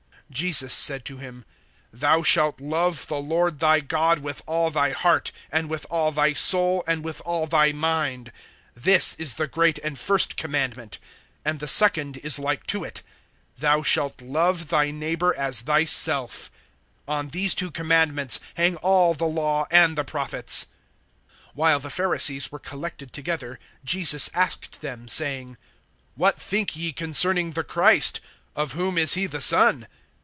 (37)Jesus said to him: Thou shalt love the Lord thy God with all thy heart, and with all thy soul, and with all thy mind. (38)This is the great and first commandment. (39)And the second is like to it: Thou shalt love thy neighbor as thy self. (40)On these two commandments hang all the law and the prophets. (41)While the Pharisees were collected together, Jesus asked them, (42)saying: What think ye concerning the Christ? Of whom is he the son?